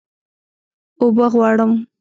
اوبه غواړم